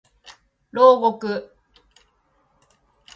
牢獄